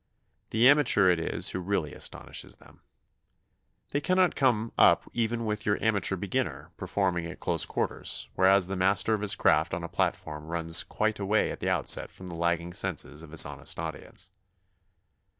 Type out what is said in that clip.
The amateur it is who really astonishes them. They cannot come up even with your amateur beginner, performing at close quarters; whereas the master of his craft on a platform runs quite away at the outset from the lagging senses of his honest audience.